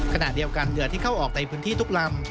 ขณะเดียวกันเรือที่เข้าออกในพื้นที่ทุกลำ